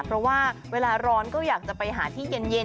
เพราะว่าเวลาร้อนก็อยากจะไปหาที่เย็น